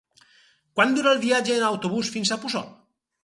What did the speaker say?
Quant dura el viatge en autobús fins a Puçol?